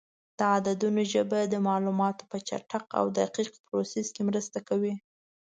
د عددونو ژبه د معلوماتو په چټک او دقیق پروسس کې مرسته کوي.